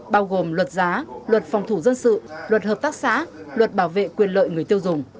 bao gồm luật giá luật phòng thủ dân sự luật hợp tác xã luật bảo vệ quyền lợi người tiêu dùng